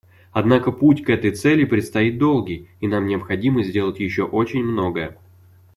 Однако путь к этой цели предстоит долгий, и нам необходимо сделать еще очень многое.